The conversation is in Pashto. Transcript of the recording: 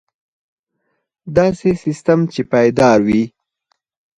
داسې سیستم چې پایدار وي.